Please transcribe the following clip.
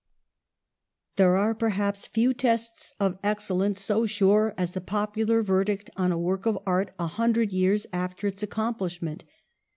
There are, perhaps, few tests of excellence so sure as the popular verdict on a work of art a hundred years after its accomplishment.